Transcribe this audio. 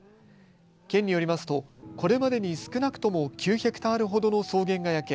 県によりますとこれまでに少なくとも９ヘクタールほどの草原が焼け